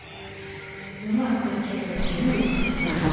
うまくいけば１０億ですから。